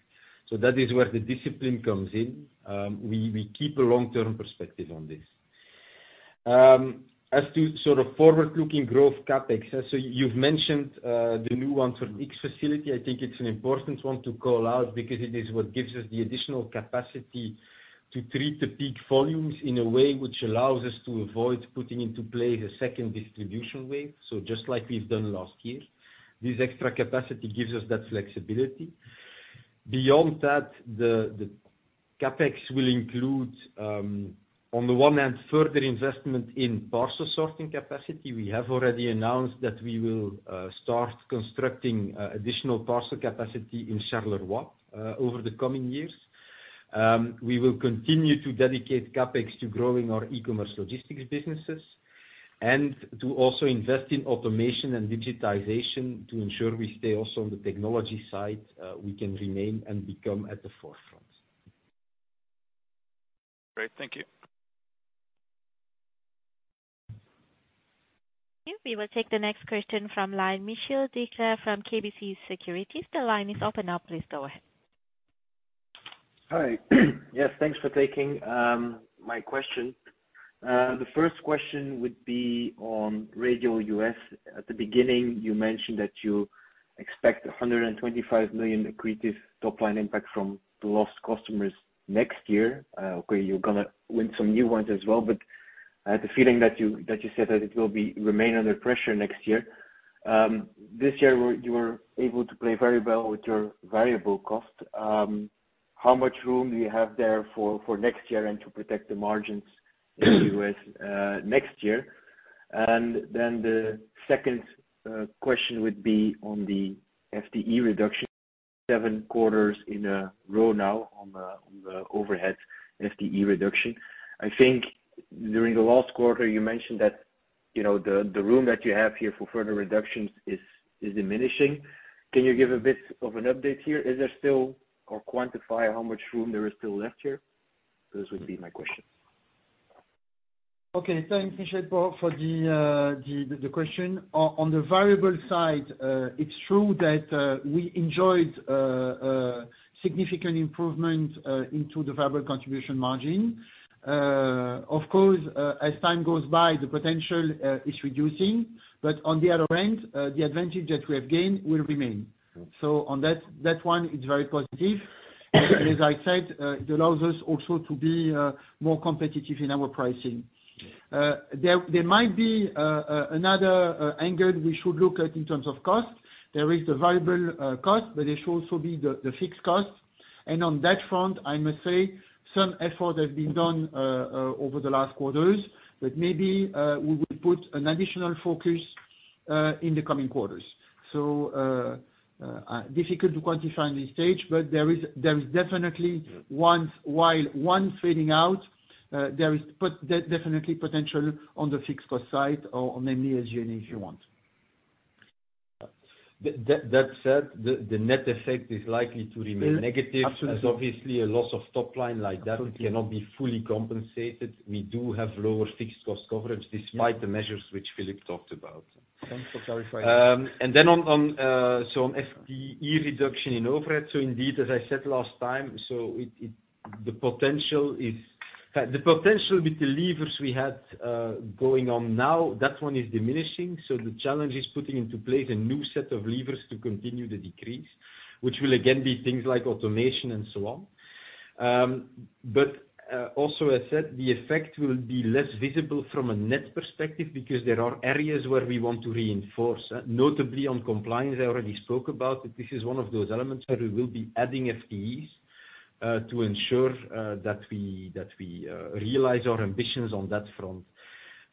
So that is where the discipline comes in. We keep a long-term perspective on this. As to sort of forward-looking growth CapEx, so you've mentioned the new one for X facility. I think it's an important one to call out because it is what gives us the additional capacity to treat the peak volumes in a way which allows us to avoid putting into play a second distribution wave, so just like we've done last year. This extra capacity gives us that flexibility. Beyond that, the CapEx will include, on the one hand, further investment in parcel sorting capacity. We have already announced that we will start constructing additional parcel capacity in Charleroi over the coming years. We will continue to dedicate CapEx to growing our e-commerce logistics businesses, and to also invest in automation and digitization, to ensure we stay also on the technology side, we can remain and become at the forefront. Great, thank you. We will take the next question from line, Michael Dickler from KBC Securities. The line is open now, please go ahead. Hi. Yes, thanks for taking my question. The first question would be on Radial U.S. At the beginning, you mentioned that you expect $125 million accretive top line impact from the lost customers next year. Okay, you're gonna win some new ones as well, but I had the feeling that you said that it will be remain under pressure next year. This year, you were able to play very well with your variable cost. How much room do you have there for next year and to protect the margins in the US next year? And then the second question would be on the FTE reduction, seven quarters in a row now on the overhead FTE reduction. I think during the last quarter, you mentioned that, you know, the room that you have here for further reductions is diminishing. Can you give a bit of an update here? Is there still, or quantify how much room there is still left here? Those would be my questions. Okay, thanks, Michael, for the question. On the variable side, it's true that we enjoyed significant improvement into the variable contribution margin. Of course, as time goes by, the potential is reducing, but on the other end, the advantage that we have gained will remain. Okay. So on that, that one is very positive. And as I said, it allows us also to be more competitive in our pricing. There might be another angle we should look at in terms of cost. There is the variable cost, but it should also be the fixed cost. And on that front, I must say, some effort has been done over the last quarters, but maybe we will put an additional focus in the coming quarters. So, difficult to quantify on this stage, but there is definitely once, while one fading out, there is definitely potential on the fixed cost side or on mainly as you need, if you want. That said, the net effect is likely to remain negative. Absolutely. As obviously a loss of top line like that- Absolutely.... cannot be fully compensated. We do have lower fixed cost coverage despite the measures which Philippe talked about. Thanks for clarifying. And then on FTE reduction in overhead, indeed, as I said last time, the potential with the levers we had going on now, that one is diminishing. The challenge is putting into place a new set of levers to continue the decrease, which will again be things like automation and so on. But also, as said, the effect will be less visible from a net perspective because there are areas where we want to reinforce, notably on compliance. I already spoke about it. This is one of those elements where we will be adding FTEs to ensure that we realize our ambitions on that front.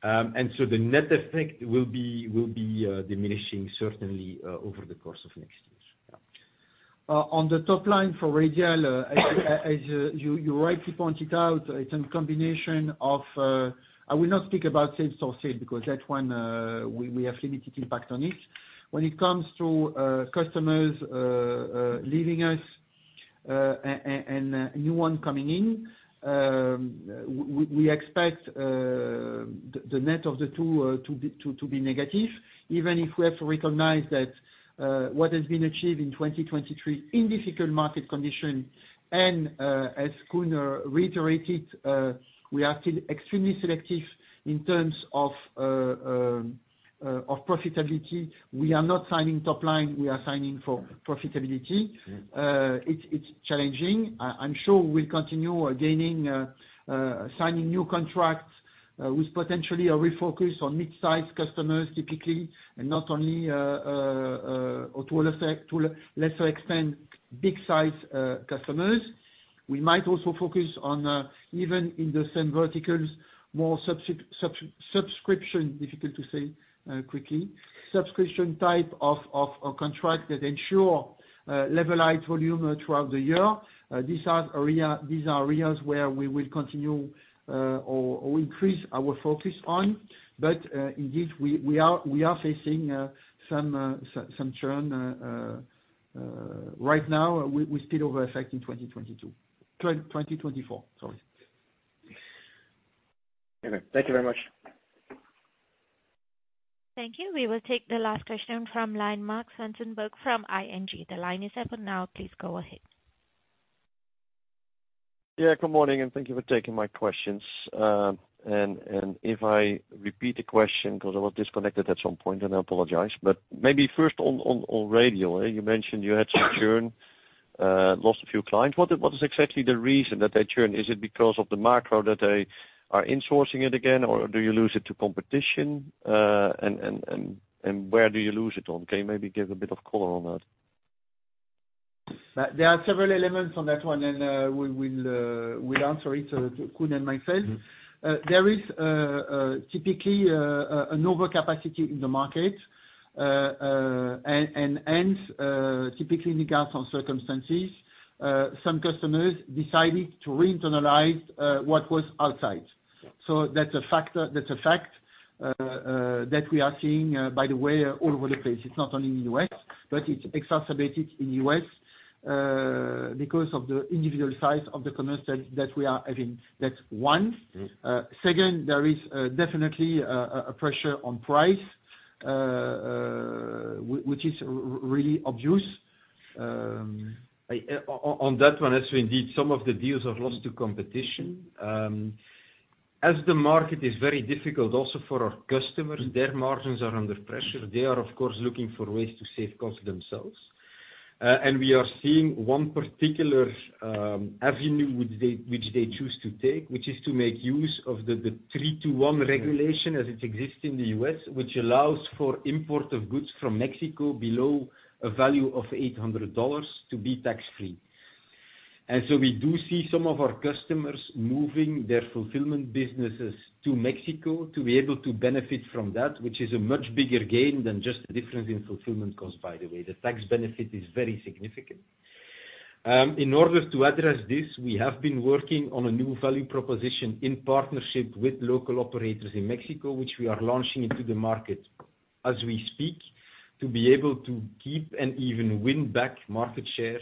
And so the net effect will be diminishing certainly over the course of next year. On the top line for Radial, as you rightly pointed out, it's a combination of, I will not speak about same store sale, because that one, we have limited impact on it. When it comes to customers leaving us, and a new one coming in, we expect the net of the two to be negative, even if we have to recognize that what has been achieved in 2023 in difficult market conditions. As Koen reiterated, we are still extremely selective in terms of profitability. We are not signing top line, we are signing for profitability. Yeah. It's challenging. I'm sure we'll continue gaining, signing new contracts with potentially a refocus on mid-sized customers, typically, and not only, or to a lesser extent, big size customers. We might also focus on even in the same verticals, more subscription, difficult to say quickly. Subscription type of contract that ensure level light volume throughout the year. These are areas where we will continue or increase our focus on. But indeed, we are facing some churn right now. We still over affecting 2022, 2024, sorry. Okay, thank you very much. Thank you. We will take the last question from line, Marc Zwartsenberg from ING. The line is open now, please go ahead. Yeah, good morning, and thank you for taking my questions. And if I repeat the question, 'cause I was disconnected at some point, then I apologize. But maybe first on Radial, you mentioned you had some churn, lost a few clients. What is exactly the reason that they churn? Is it because of the macro that they are insourcing it again, or do you lose it to competition? And where do you lose it on? Can you maybe give a bit of color on that? There are several elements on that one, and we will answer it, Koen and myself. There is typically an overcapacity in the market, and typically, in the current circumstances, some customers decided to re-internalize what was outside. So that's a factor—that's a fact that we are seeing, by the way, all over the place. It's not only in the U.S., but it's exacerbated in U.S., because of the individual size of the commercial that we are having. That's one. Second, there is definitely a pressure on price, which is really obvious. On that one, as indeed, some of the deals are lost to competition. As the market is very difficult also for our customers, their margins are under pressure. They are, of course, looking for ways to save cost themselves. And we are seeing one particular avenue, which they choose to take, which is to make use of the 321 regulation as it exists in the U.S., which allows for import of goods from Mexico below a value of $800 to be tax free. And so we do see some of our customers moving their fulfillment businesses to Mexico to be able to benefit from that, which is a much bigger gain than just the difference in fulfillment cost, by the way. The tax benefit is very significant. In order to address this, we have been working on a new value proposition in partnership with local operators in Mexico, which we are launching into the market as we speak, to be able to keep and even win back market share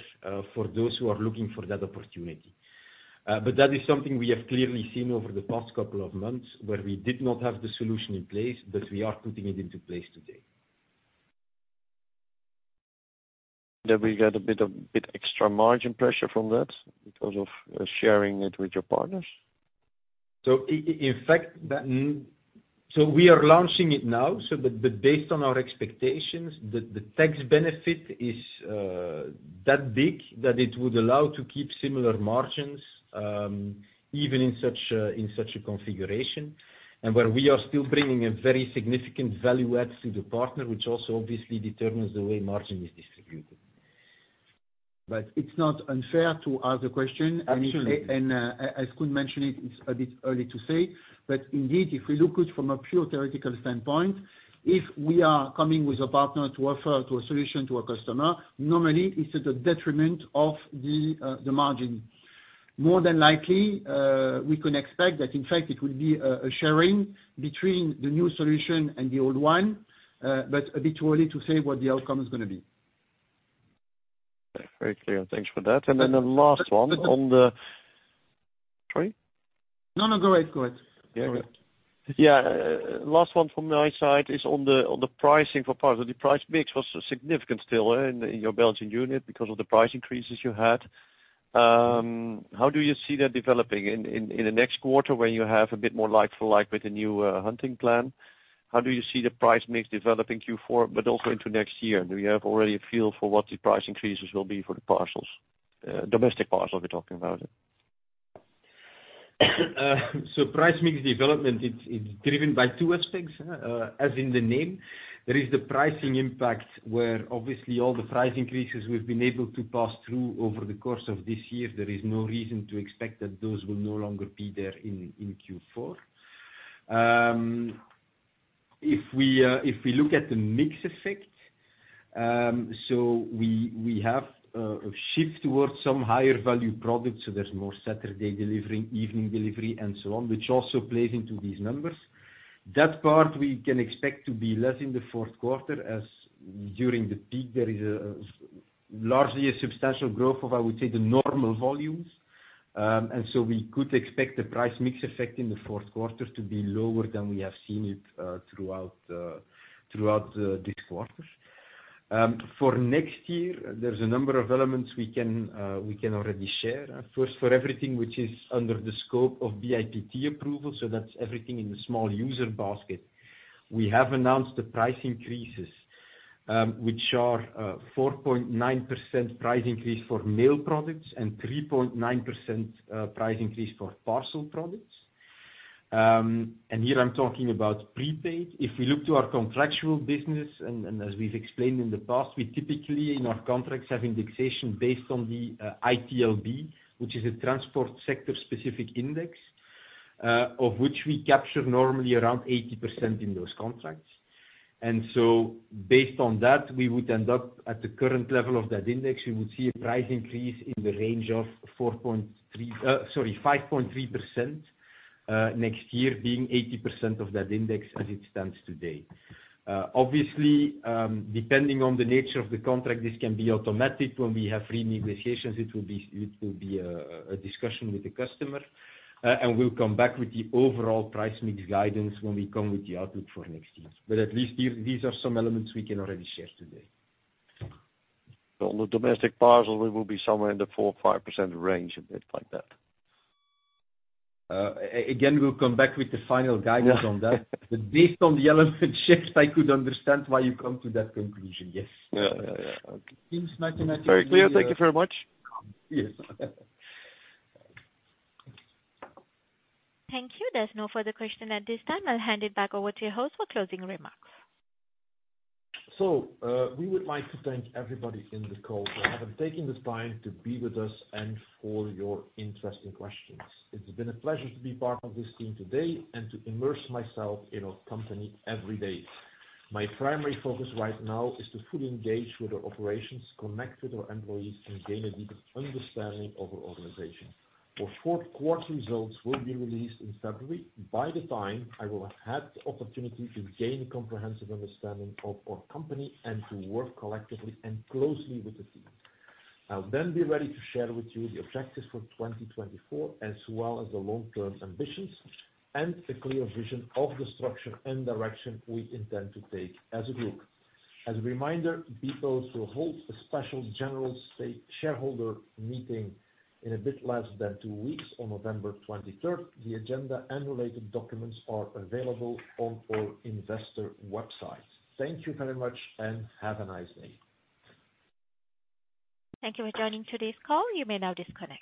for those who are looking for that opportunity. But that is something we have clearly seen over the past couple of months, where we did not have the solution in place, but we are putting it into place today. Then we get a bit extra margin pressure from that because of sharing it with your partners. So, in fact, we are launching it now, but based on our expectations, the tax benefit is that big that it would allow to keep similar margins, even in such a configuration. And where we are still bringing a very significant value add to the partner, which also obviously determines the way margin is distributed. But it's not unfair to ask the question. Absolutely. As Koen mentioned, it's a bit early to say, but indeed, if we look it from a pure theoretical standpoint, if we are coming with a partner to offer to a solution to a customer, normally it's at a detriment of the margin. More than likely, we can expect that in fact, it will be a sharing between the new solution and the old one, but a bit early to say what the outcome is gonna be. Very clear. Thanks for that. And then the last one on the - sorry? No, go ahead. Go ahead. Yeah, go ahead. Yeah, last one from my side is on the pricing for parcel. The price mix was significant still in your Belgian unit because of the price increases you had. How do you see that developing in the next quarter when you have a bit more like-for-like with the new hunting plan? How do you see the price mix developing Q4 but also into next year? Do you have already a feel for what the price increases will be for the parcels, domestic parcel, we're talking about? So price mix development, it's driven by two aspects. As in the name, there is the pricing impact, where obviously all the price increases we've been able to pass through over the course of this year, there is no reason to expect that those will no longer be there in Q4. If we look at the mix effect, so we have a shift towards some higher value products, so there's more Saturday delivering, evening delivery, and so on, which also plays into these numbers. That part we can expect to be less in the Q4, as during the peak there is largely a substantial growth of, I would say, the normal volumes. So we could expect the price mix effect in the Q4 to be lower than we have seen it throughout this quarter. For next year, there's a number of elements we can already share. First, for everything which is under the scope of BIPT approval, so that's everything in the small user basket. We have announced the price increases, which are 4.9% price increase for mail products and 3.9% price increase for parcel products. And here I'm talking about prepaid. If we look to our contractual business, and as we've explained in the past, we typically in our contracts have indexation based on the ITLB, which is a transport sector specific index, of which we capture normally around 80% in those contracts. So based on that, we would end up, at the current level of that index, we would see a price increase in the range of 4.3, sorry, 5.3%, next year, being 80% of that index as it stands today. Obviously, depending on the nature of the contract, this can be automatic. When we have re-negotiations, it will be, it will be a, a discussion with the customer. And we'll come back with the overall price mix guidance when we come with the outlook for next year. But at least these, these are some elements we can already share today. So on the domestic parcel, we will be somewhere in the 4%-5% range, a bit like that? Again, we'll come back with the final guidance on that. Yeah. Based on the element shares, I could understand why you come to that conclusion, yes. Yeah. Okay. Seems 1999- Very clear. Thank you very much. Yes. Thank you. There's no further question at this time. I'll hand it back over to your host for closing remarks. So, we would like to thank everybody in the call for having taken this time to be with us and for your interesting questions. It's been a pleasure to be part of this team today and to immerse myself in our company every day. My primary focus right now is to fully engage with our operations, connect with our employees, and gain a deeper understanding of our organization. Our Q4 results will be released in February. By the time, I will have had the opportunity to gain a comprehensive understanding of our company and to work collectively and closely with the team. I'll then be ready to share with you the objectives for 2024, as well as the long-term ambitions and a clear vision of the structure and direction we intend to take as a group. As a reminder, bpost will hold a special general state shareholder meeting in a bit less than 2 weeks, on November 23rd. The agenda and related documents are available on our investor website. Thank you very much, and have a nice day. Thank you for joining today's call. You may now disconnect.